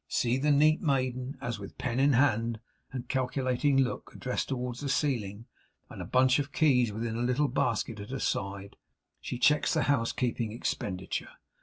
See the neat maiden, as with pen in hand, and calculating look addressed towards the ceiling and bunch of keys within a little basket at her side, she checks the housekeeping expenditure!